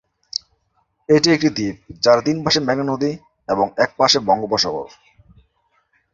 এটি একটি দ্বীপ যার তিন পাশে মেঘনা নদী এবং এক পাশে বঙ্গোপসাগর।